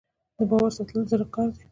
د باور ساتل د زړه کار دی.